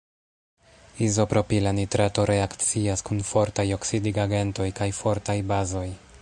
Izopropila nitrato reakcias kun fortaj oksidigagentoj kaj fortaj bazoj.